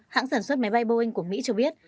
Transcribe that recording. hãng sản xuất máy bay boeing của mỹ cho biết